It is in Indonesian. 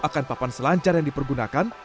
akan papan selancar yang dipergunakan